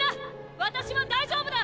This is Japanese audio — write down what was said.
私は大丈夫だ！